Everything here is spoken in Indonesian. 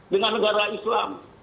dengan negara islam